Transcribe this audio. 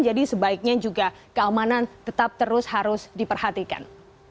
jadi sebaiknya juga keamanan tetap terus harus diperhatikan